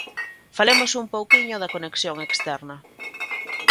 Falemos un pouquiño da conexión externa.